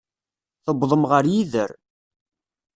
Tewwḍem ɣer yider.